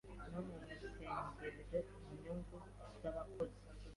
no mu umunsirengera inyungu z’abakozi;